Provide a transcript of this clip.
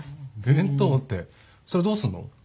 弁当ってそれどうすんの？